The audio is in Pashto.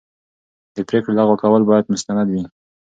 د پرېکړې لغوه کول باید مستند وي.